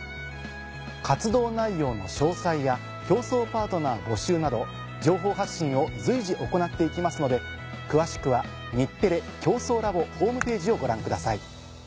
活動内容の詳細や共創パートナー募集など情報発信を随時行っていきますので詳しくは「日テレ共創ラボ」ホームページをご覧ください。